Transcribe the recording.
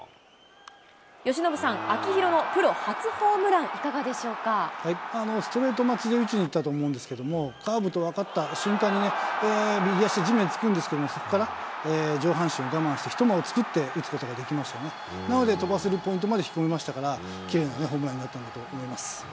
由伸さん、秋広のプロ初ホームラストレート待ちで打ちにいったと思うんですけども、カーブと分かった瞬間に、右足、地面着くんですけれども、そこから上半身を我慢して、一間を作って打つことができましたね。で飛ばせるポイントまで引き込めましたから、きれいなホームランになったんだと思います。